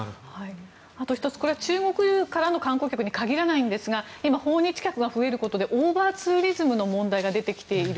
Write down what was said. あと１つこれは中国からの観光客に限らないんですが今、訪日客が増えることでオーバーツーリズムの問題が出てきている。